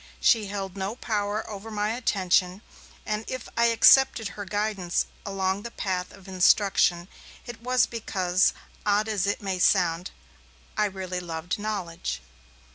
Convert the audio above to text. She held no power over my attention, and if I accepted her guidance along the path of instruction, it was because, odd as it may sound, I really loved knowledge.